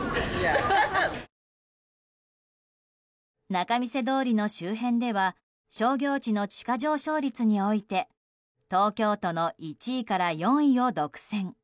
仲見世通りの周辺では商業地の地価上昇率において東京都の１位から４位を独占。